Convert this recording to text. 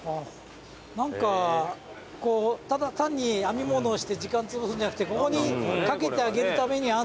何かこうただ単に編み物をして時間つぶすんじゃなくてここにかけてあげるために編んでると思ったらね。